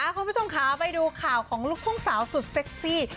คุณผู้ชมค่ะไปดูข่าวของลูกทุ่งสาวสุดเซ็กซี่